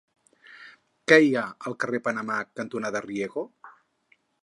Què hi ha al carrer Panamà cantonada Riego?